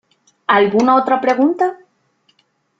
¿ alguna otra pregunta ?